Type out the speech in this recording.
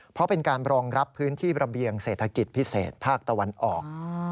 เพราะเป็นการรองรับพื้นที่ระเบียงเศรษฐกิจพิเศษภาคตะวันออก